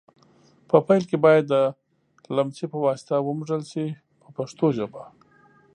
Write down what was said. په پیل کې باید د لمڅي په واسطه ومږل شي په پښتو ژبه.